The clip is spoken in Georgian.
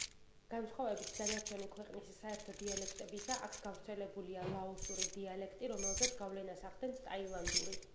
განსხვავებით დანარჩენი ქვეყნის საერთო დიალექტებისა აქ გავრცელებულია ლაოსური დიალექტი, რომელზეც გავლენას ახდენს ტაილანდური.